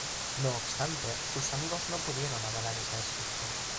No obstante, sus amigos no pudieron avalar esa descripción.